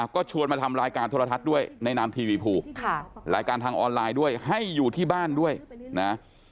ก็ชวนมาทำรายการโทรทัศน์ด้วยในนามทีวีภูรายการทางออนไลน์ด้วยให้อยู่ที่บ้านด้วยนะ